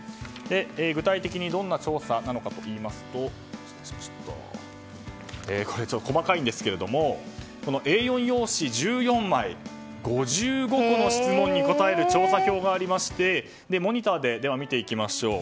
具体的にどんな調査なのかというと細かいんですがＡ４用紙１４枚５５個の質問に答える調査票がありましてモニターで見ていきましょう。